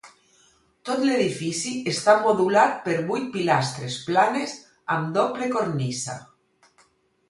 Tot l'edifici està modulat per vuit pilastres planes amb doble cornisa.